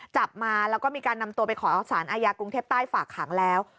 จับมาแล้วก็มีการนำตัวไปขอสารอาญากรุงเทพใต้ฝากขังแล้ว